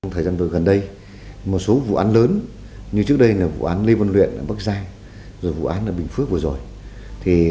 thời gian vừa gần đây một số vụ án lớn như trước đây là vụ án lê văn luyện ở bắc giang rồi vụ án ở bình phước vừa rồi